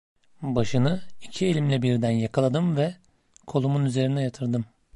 Başını iki elimle birden yakaladım ve kolumun üzerine yatırdım.